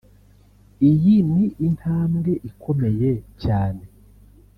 Iyi ni intambwe ikomeye cyane